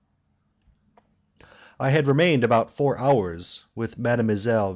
I had remained about four hours with Mdlle.